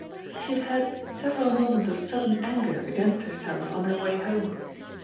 She had had several moments of sudden anger against herself on her way home.